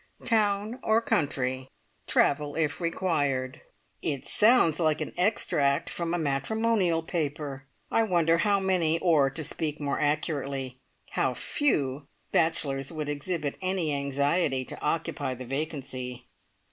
Town or country. Travel if required." It sounds like an extract from a matrimonial paper. I wonder how many, or, to speak more accurately, how few bachelors would exhibit any anxiety to occupy the vacancy.